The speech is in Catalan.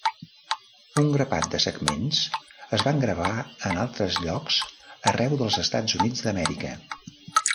Un grapat de segments es van gravar en altres llocs arreu dels Estats Units d'Amèrica.